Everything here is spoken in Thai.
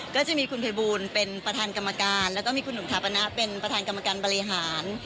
ก็จะมีคุณภัยบูลเป็นประธานกรรมการแล้วก็มีคุณหนุ่มถาปนะเป็นประธานกรรมการบริหาร